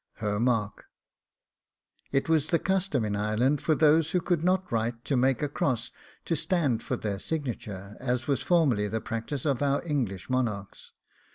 HER MARK. It was the custom in Ireland for those who could not write to make a cross to stand for their signature, as was formerly the practice of our English monarchs.